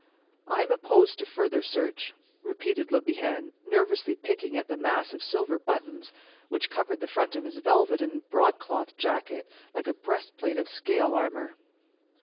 "I am opposed to further search," repeated Le Bihan, nervously picking at the mass of silver buttons which covered the front of his velvet and broadcloth jacket like a breastplate of scale armor.